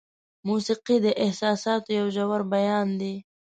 موسیقي د احساساتو یو ژور بیان دی.